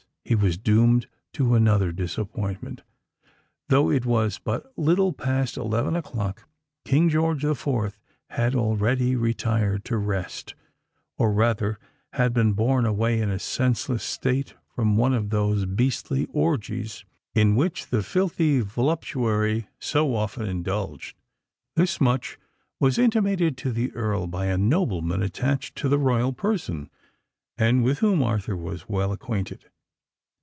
he was doomed to another disappointment. Though it was but little past eleven o'clock, King George the Fourth had already retired to rest,—or rather had been borne away in a senseless state from one of those beastly orgies in which the filthy voluptuary so often indulged. This much was intimated to the Earl by a nobleman attached to the royal person, and with whom Arthur was well acquainted.